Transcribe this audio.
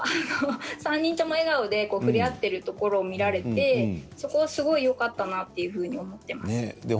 ３人とも笑顔で触れ合っているところを見られてそこはすごくよかったなというふうに思っています。